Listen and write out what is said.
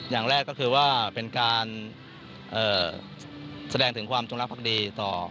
อย่างแรกก็คือว่าเป็นการแสดงถึงความจงรักภักดีต่อ